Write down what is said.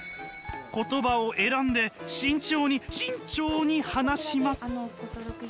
言葉を選んで慎重に慎重に話します。